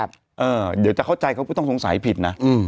เดี๋ยวจะเข้าใจเขาผู้ต้องสงสัยผิดนะ